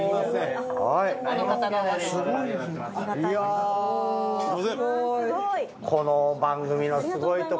すごい！